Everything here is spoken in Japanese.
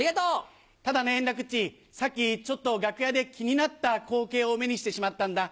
ただね、円楽っち、さっき、ちょっと楽屋で気になった光景を目にしてしまったんだ。